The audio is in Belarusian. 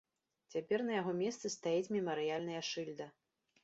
Цяпер на яго месцы стаіць мемарыяльная шыльда.